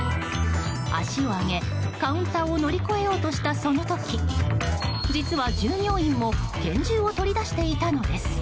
足を上げ、カウンターを乗り越えようとした、その時実は従業員も拳銃を取り出していたのです。